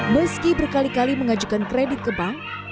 meski berkali kali mengajukan kredit ke bank